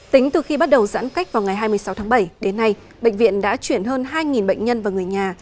tính từ khi bắt đầu giãn cách vào ngày hai mươi sáu tháng bảy đến nay bệnh viện đã chuyển hơn hai bệnh nhân và người nhà